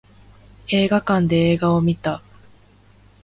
映画館で映画を見た